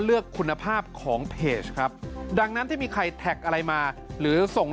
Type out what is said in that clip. เลือกคุณภาพของเพจครับดังนั้นที่มีใครแท็กอะไรมาหรือส่ง